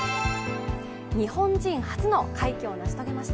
日本人初の快挙を成し遂げました